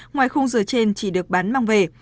ngoài không giờ trên chỉ được bán mang về